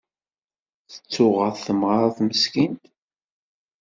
Tettuɣaḍ temɣart meskint.